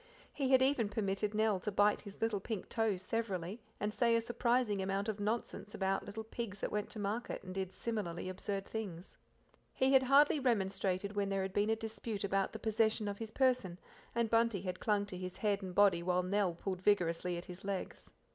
He had eyen permitted Nell to bite his little pink toes severally, and say a surprising amount of nonsense about little pigs that went to market and did similarly absurd things. He had hardly remonstrated when there had been a dispute about the possession of his person, and Bunty had clung to his head and body while Nell pulled vigorously at his legs.